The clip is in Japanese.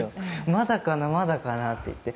まだかな、まだかななんて言って。